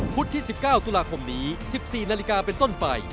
ที่๑๙ตุลาคมนี้๑๔นาฬิกาเป็นต้นไป